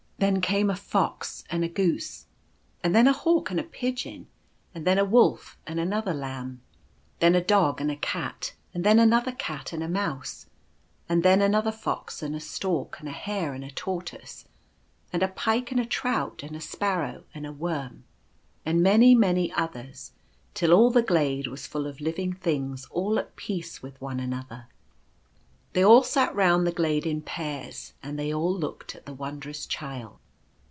Then came a Fox and a Goose ; and then a Hawk and a Pigeon ; and then a Wolf and another Lamb ; then a Dog and a Cat ; and then another Cat and a Mouse ; and then another Fox and a Stork ; and a Hare and a Tortoise ; and a Pike and a Trout ; and a Sparrow and a Worm ; and many, many others, till all the glade was full of living things all at peace with one another. They all sat round the glade in pairs, and they all looked at the Wondrous Child.